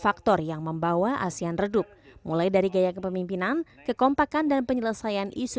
faktor yang membawa asean redup mulai dari gaya kepemimpinan kekompakan dan penyelesaian isu